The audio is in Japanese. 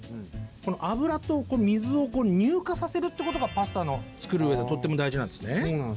油と水を乳化させるってことがパスタ作るうえでとっても大事なんですね。